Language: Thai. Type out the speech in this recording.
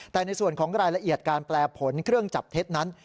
แต่ในส่วนของรายละเอียดการแปลผลเครื่องจับเท็จนั้น